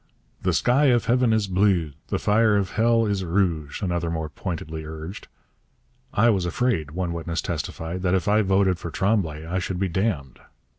'The sky of heaven is bleu, the fire of hell is rouge,' another more pointedly urged. 'I was afraid,' one witness testified, 'that if I voted for Tremblay I should be damned.'